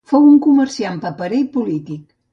Fou un comerciant paperer i polític.